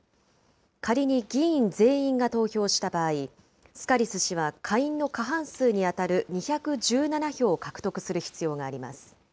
仮に議員全員が投票した場合、スカリス氏は下院の過半数に当たる２１７票を獲得する必要があります。